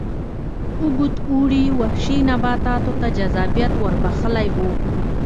اوږد اوړي وحشي نباتاتو ته جذابیت ور بخښلی و.